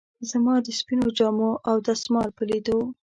زما د سپینو جامو او دستمال په لیدو.